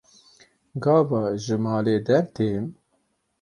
Gava ji malê dertêm.